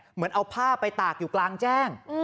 เหมือนเอาผ้าไปตากอยู่กลางแจ้ง